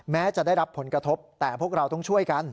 แม้จะได้รับผลกระทบแต่พวกเราต้องช่วยกัน